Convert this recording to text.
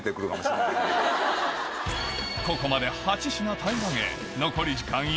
ここまで８品平らげ